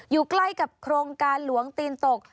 อยู่ใกล้กับโครงการหลวงตีนตก